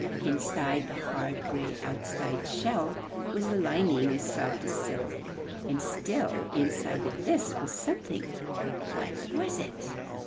Inside the hard, gray outside shell was a lining as soft as silk, and still in side of this was something — what was it?